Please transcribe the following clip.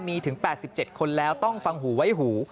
มีถึง๘๗คนแล้วต้องฟังหูไว้หู